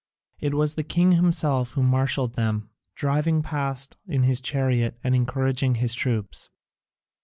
It was the king himself who marshalled them, driving past in his chariot and encouraging his troops.